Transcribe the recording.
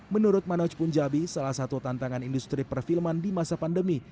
menurut manoj punjabi salah satu tantangan industri perfilman di masa pandemi